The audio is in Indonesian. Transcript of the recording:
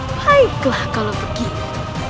baiklah kalau begini